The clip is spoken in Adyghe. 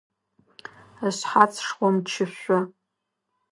Ышъхьац шхъомчышъо.